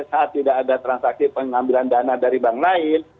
saat tidak ada transaksi pengambilan dana dari bank lain